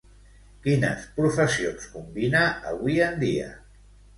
Quines professions combina avui en dia?